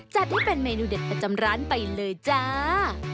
จัดให้เป็นเมนูเด็ดประจำร้านไปเลยจ้า